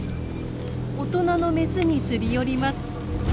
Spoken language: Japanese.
大人のメスにすり寄ります。